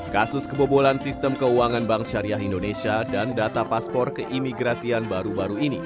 kasus kebobolan sistem keuangan bank syariah indonesia dan data paspor keimigrasian baru baru ini